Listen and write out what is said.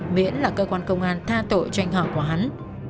miễn là cơ quan công an tha tội cho anh họ của hắn